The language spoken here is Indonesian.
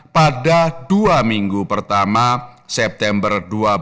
pada dua minggu pertama september dua ribu dua puluh